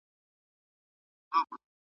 د غوښې پر ځای حبوبات وکاروئ.